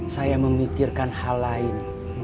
saya memikirkan hal lain